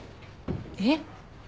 えっ？